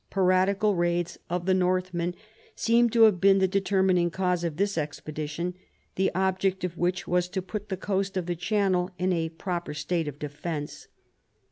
Piratical raids of the Northmen seem to have been the determining cause of this expedition, the object of which was to put the coast of the Channel in a proper state of defence.